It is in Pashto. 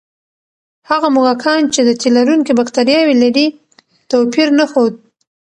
هغه موږکان چې د تیلرونکي بکتریاوې لري، توپیر نه ښود.